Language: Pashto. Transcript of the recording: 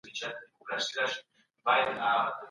ان تر څلویښتو کورونو پورې ګاونډیان دي.